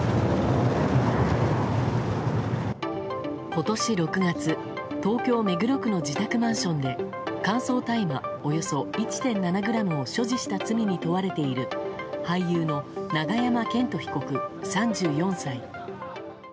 今年６月東京・目黒区の自宅マンションで乾燥大麻およそ１．７ｇを所持した罪に問われている俳優の永山絢斗被告、３４歳。